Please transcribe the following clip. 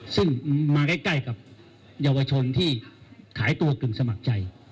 ซึ่งมาใกล้กับเยาวชนที่ขายตัวกึ่งสมัครใจ